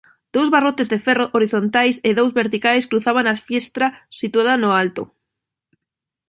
Dous barrotes de ferro horizontais e dous verticais cruzaban a fiestra situada no alto.